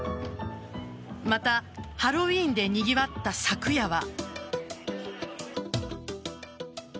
またハロウィーンでにぎわった昨夜は。